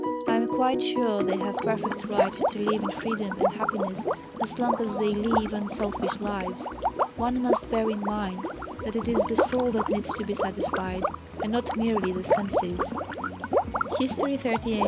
I am quite sure they have perfect right to live in freedom and happiness as long as they live unselfish lives. One must bear in mind that it is the soul that needs to be satisfied, and not merely the senses." HISTORY XXXVIII.